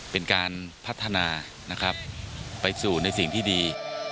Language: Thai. เป็นการพัฒนานะครับไปสู่ในสิ่งที่ดี